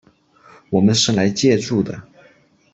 我们是来借住的